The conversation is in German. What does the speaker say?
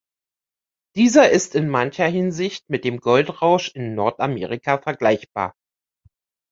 Dieser ist in mancher Hinsicht mit dem Goldrausch in Nordamerika vergleichbar.